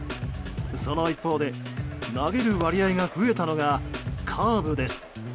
その一方で投げる割合が増えたのがカーブです。